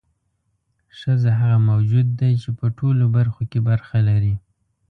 ښځه هغه موجود دی چې په ټولو برخو کې برخه لري.